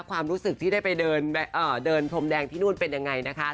ความรู้สึกที่ไปเดินพรมแดงที่โน้นเป็นอย่างไรนะคะ